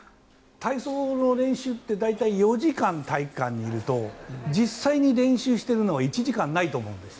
体操の練習って大体４時間体育館にいると実際に練習しているのは１時間ないと思うんです。